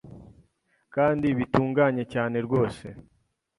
kandi bitunganye cyane rwose